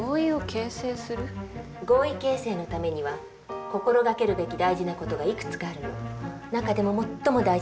合意形成のためには心掛けるべき大事な事がいくつかあるの。